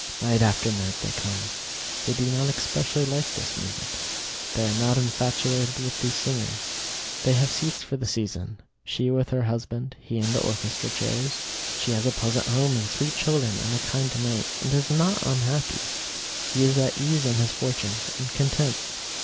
Night after night they come. They do not especially like this music. They are not infatuated with these singers. They have seats for the season; she with her husband, he in the orchestra chairs. She has a pleasant home and sweet children and a kind mate, and is not unhappy. He is at ease in his fortunes, and content.